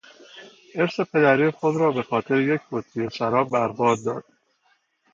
ارث پدری خود را به خاطر یک بطری شراب بر باد داد.